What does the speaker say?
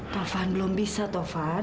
taufan belum bisa taufan